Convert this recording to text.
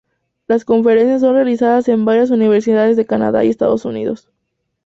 Las conferencias son realizadas en varias universidades de Canadá y Estados Unidos.